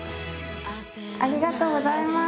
ありがとうございます。